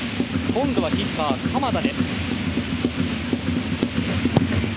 今度はキッカー鎌田です。